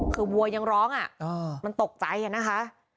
คือวัวยังร้องมันตกใจอะนะคะ